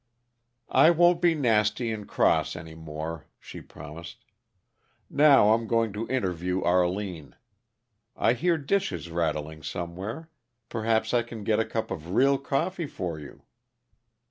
"I won't be nasty and cross any more," she promised. "Now, I'm going to interview Arline. I hear dishes rattling somewhere; perhaps I can get a cup of real coffee for you."